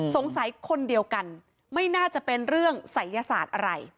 สงสัยคนเดียวกันไม่น่าจะเป็นเรื่องศัยยศาสตร์อะไร